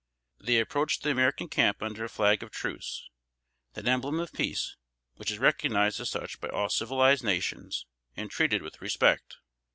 They approached the American camp under a flag of truce, that emblem of peace, which is recognized as such by all civilized nations, and treated with respect.